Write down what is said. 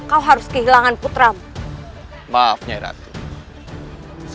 beri dukungan di atas video ini